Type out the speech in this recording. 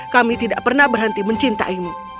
kami tidak pernah berhenti mencintaimu